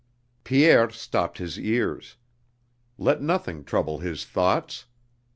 Pierre stopped his ears. Let nothing trouble his thoughts!